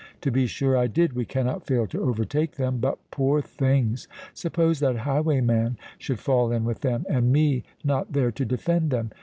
"To be sure I did. We cannot fail to overtake them. But, poor things! suppose that highwayman should fall in with them—and me not there to defend them!"